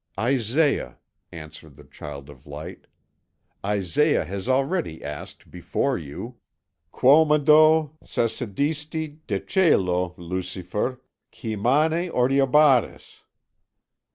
"Isaiah," answered the child of light, "Isaiah has already asked, before you: '_Quomodo cecidisti de coelo, Lucifer, qui mane oriebaris?